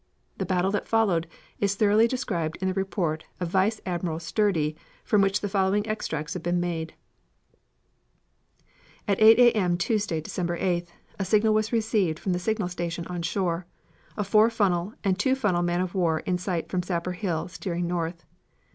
The battle that followed is thoroughly described in the report of Vice Admiral Sturdee from which the following extracts have been made: "At 8 A. M., Tuesday, December 8th, a signal was received from the signal station on shore. 'A four funnel and two funnel man of war in sight from Sapper Hill steering north.'